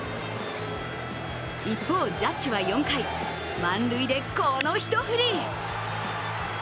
一方、ジャッジは４回、満塁でこの一振り。